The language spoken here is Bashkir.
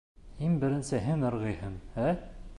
Иң беренсе һин ырғыйһың, ә?